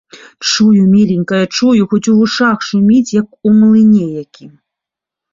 Чую, міленькая, чую, хоць у вушах шуміць, як у млыне якім.